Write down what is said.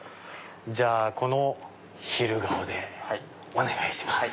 じゃあこの昼顔でお願いします。